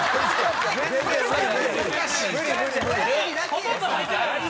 ほとんど履いてない。